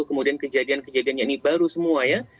kemudian kejadian kejadiannya ini baru semua ya